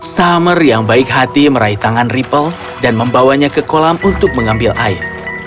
summer yang baik hati meraih tangan ripple dan membawanya ke kolam untuk mengambil air